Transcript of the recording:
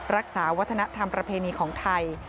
รักษาวัฒนธรรมประเพณีของไทย